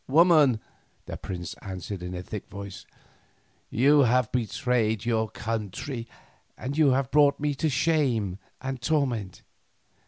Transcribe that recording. "Woman," the prince answered in a thick voice, "you have betrayed your country and you have brought me to shame and torment.